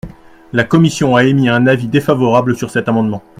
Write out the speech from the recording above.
La commission a émis un avis défavorable sur cet amendement.